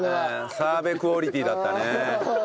澤部クオリティーだったね。